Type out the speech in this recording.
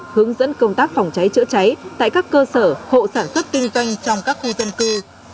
hướng dẫn công tác phòng cháy chữa cháy tại các cơ sở hộ sản xuất kinh doanh trong các khu dân cư